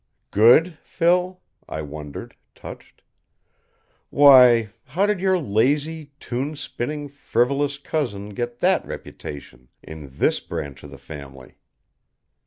"Good, Phil?" I wondered, touched. "Why, how did your lazy, tune spinning, frivolous cousin get that reputation in this branch of the family?"